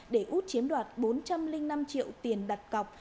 để út chiếm đoạt bốn trăm linh năm triệu tiền đặt cọc